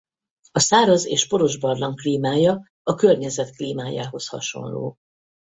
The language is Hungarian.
A száraz és poros barlang klímája a környezet klímájához hasonló.